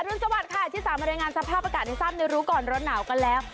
อรุณสวัสดิ์ค่ะที่สามรายงานสภาพอากาศในทรัพย์ในรู้ก่อนร้อนหนาวก็แล้ว